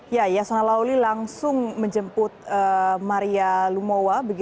ya yasona lawli langsung menjemput maria rumawa